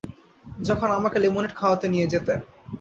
যখন আমাকে লেমোনেড খাওয়াতে নিয়ে যেতে।